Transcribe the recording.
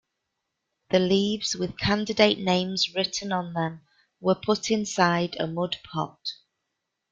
The leaves, with candidate names written on them, were put inside a mud pot.